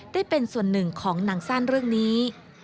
ได้เป็นส่วนหนึ่งของหนังสั้นเรื่องนี้